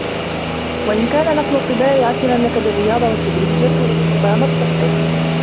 وَإِنْ كَانَ نَقْلُ الطِّبَاعِ عَسِرًا لَك بِالرِّيَاضَةِ وَالتَّدْرِيجِ يَسْهُلُ مِنْهَا مَا اُسْتُصْعِبَ